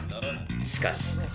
しかし。